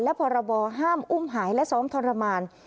และพรบห้ามอุ้มหายและซ้อมทรมาน